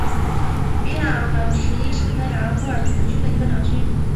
比塔朗伊什是葡萄牙波尔图区的一个堂区。